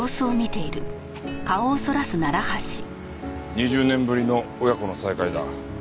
２０年ぶりの親子の再会だ。